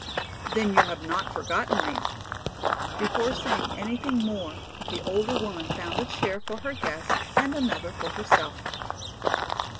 "Then you have not forgotten me?" Before saying anything more the older woman found a chair for her guest and another for herself.